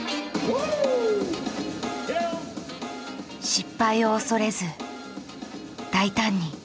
失敗を恐れず大胆に。